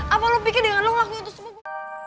apa lo pikir dengan lo lagu itu semua